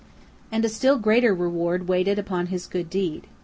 And a still greater reward waited upon his good deed.